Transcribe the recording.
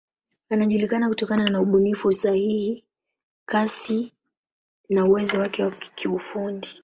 Anajulikana kutokana na ubunifu, usahihi, kasi na uwezo wake wa kiufundi.